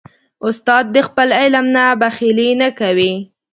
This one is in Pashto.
استاد د خپل علم نه بخیلي نه کوي.